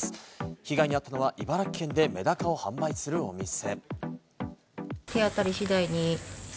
被害に遭ったのは茨城県でメダカを販売するお店。